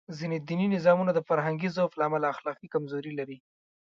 ځینې دیني نظامونه د فرهنګي ضعف له امله اخلاقي کمزوري لري.